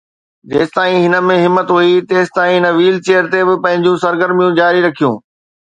جيستائين هن ۾ همت هئي، تيستائين هن ويل چيئر تي به پنهنجون سرگرميون جاري رکيون